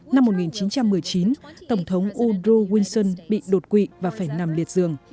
năm một nghìn chín trăm một mươi chín tổng thống woodrow wilson bị đột quỵ và phải nằm liệt giường